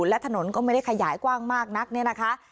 และถนนก็ไม่ได้ขยายกว้างมากนักเนี่ยนะคะ